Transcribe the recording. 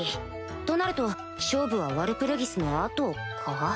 となると勝負はワルプルギスの後か？